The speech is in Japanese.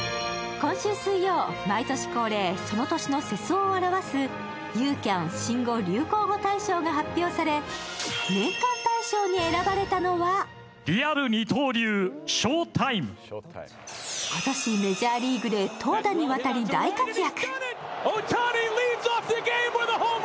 今週水曜、毎年恒例、その年の世相を表すユーキャン新語・流行語大賞が発表され年間大賞に選ばれたのは今年メジャーリーグで投打にわたり大活躍。